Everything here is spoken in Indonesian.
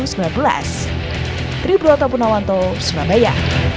saya punawanto persebaya